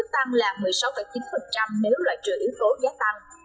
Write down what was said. tăng là một mươi sáu chín nếu loại trừ ước cố giá tăng